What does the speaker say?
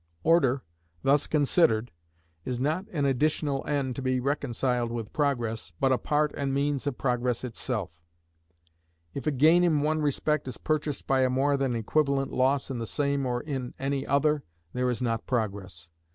Order, thus considered, is not an additional end to be reconciled with Progress, but a part and means of Progress itself. If a gain in one respect is purchased by a more than equivalent loss in the same or in any other, there is not Progress.